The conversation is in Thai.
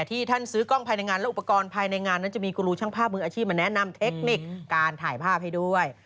ที่ท่านซื้อกล้องภายในงานและอุปกรณ์ภายในงานนั้นจะมีกูรูช่างภาพมืออาชีพมาแนะนำเทคนิคการถ่ายภาพให้ด้วย